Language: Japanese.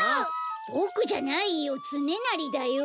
ボクじゃないよつねなりだよ。